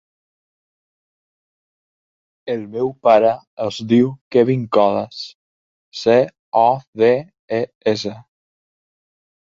El meu pare es diu Kevin Codes: ce, o, de, e, essa.